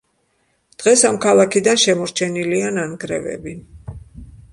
დღეს ამ ქალაქიდან შემორჩენილია ნანგრევები.